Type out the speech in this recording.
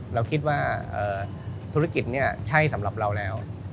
เราคิดว่าธุรกิจนี้ใช่สำหรับเราแล้ว